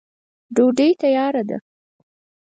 ډوډۍ تیاره ده.